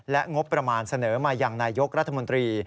และงบประมาณเสนอมาอย่างนายยกรัฐมนตรี